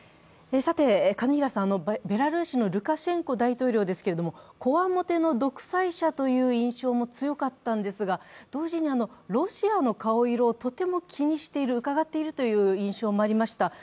さて、金平さん、ベラルーシのルカシェンコ大統領ですが、こわもての独裁者という印象も強かったんですが同時にロシアの顔色をとても気にしている、うかがっているという印象もありました。